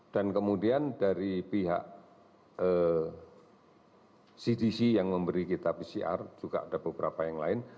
dan kemudian dari pihak cdc yang memberi kita pcr juga ada beberapa yang lain